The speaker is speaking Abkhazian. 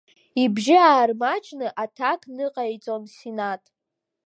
Ибжьы аармаҷны аҭак ныҟаиҵон Синаҭ.